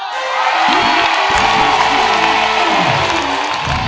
ร้องได้ให้ลูกทุ่งสู้ชีวิต